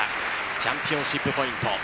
チャンピオンシップポイント。